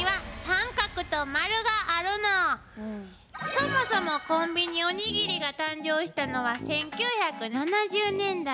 そもそもコンビニおにぎりが誕生したのは１９７０年代。